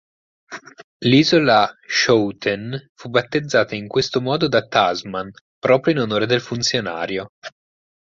L'isola Schouten fu battezzata in questo modo da Tasman proprio in onore del funzionario.